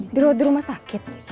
di rumah sakit